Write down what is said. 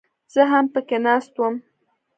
زه هم پکښې ناست وم.